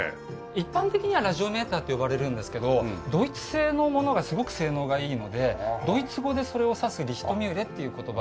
一般的にはラジオメーターって呼ばれるんですけどドイツ製のものがすごく性能がいいのでドイツ語でそれを指す「リヒトミューレ」っていう言葉。